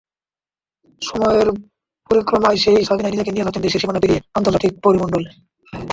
সময়ের পরিক্রমায় সেই সাবিনাই নিজেকে নিয়ে যাচ্ছেন দেশের সীমানা পেরিয়ে আন্তর্জাতিক পরিমণ্ডলে।